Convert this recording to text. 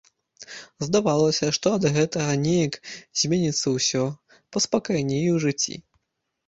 Здавалася, што ад гэтага неяк зменіцца ўсё, паспакайнее ў жыцці.